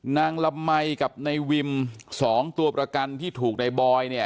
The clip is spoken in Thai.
นางละมัยกับนายวิม๒ตัวประกันที่ถูกในบอย